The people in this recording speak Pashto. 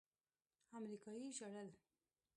امريکايي ژړل.